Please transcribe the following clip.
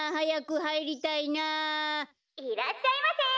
「いらっしゃいませ！」。